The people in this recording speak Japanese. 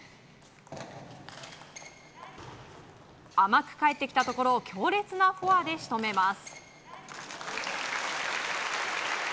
甘く返ってきたところを強烈なフォアで仕留めます。